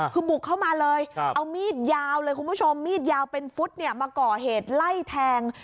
คือบุกเข้ามาเลยเอามีดยาวเลยคุณผู้ชมมีดยาวเป็นฟุตมาก่อเหตุไล่แทง